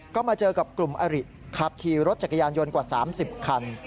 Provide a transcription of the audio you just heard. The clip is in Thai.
ก็มาเจอกับกลุ่มอริขับขี่รถจักรยานยนต์กว่า๓๐คัน